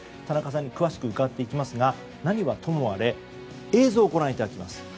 田中さんに詳しく伺っていきますが何はともあれ映像をご覧いただきます。